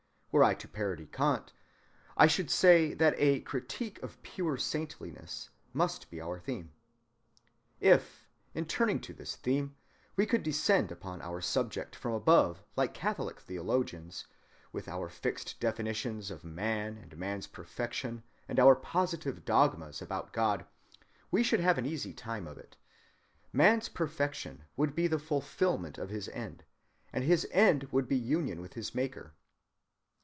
Were I to parody Kant, I should say that a "Critique of pure Saintliness" must be our theme. If, in turning to this theme, we could descend upon our subject from above like Catholic theologians, with our fixed definitions of man and man's perfection and our positive dogmas about God, we should have an easy time of it. Man's perfection would be the fulfillment of his end; and his end would be union with his Maker.